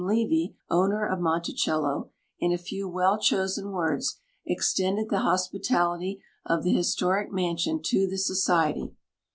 Levy, owner of Monticello, in a few well chosen words, extended the hospitality of the historic mansion to the Society.